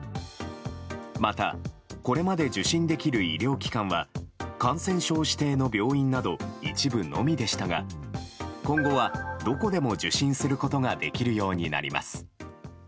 また、これまで受診できる医療機関は感染症指定の病院など一部のみでしたが今後はどこでも受診することができるようになります。